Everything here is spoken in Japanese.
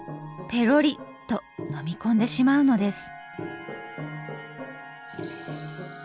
ぺろりっと飲み込んでしまうのです。